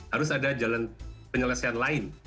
harus ada jalan penyelesaian lain